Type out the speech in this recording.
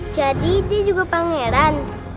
jadi dia juga pangeran